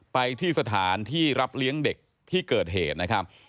ไปที่สถานที่รับเลี้ยงเด็กที่เกิดเหตุนะครับ